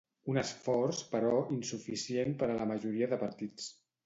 Un esforç, però, insuficient per a la majoria de partits.